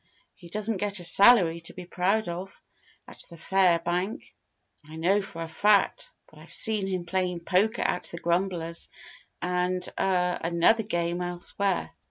He doesn't get a salary to be proud of, at the Phayre bank, I know for a fact. But I've seen him playing poker at the Grumblers and er another game elsewhere.